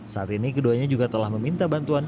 saat ini keduanya juga telah meminta bantuan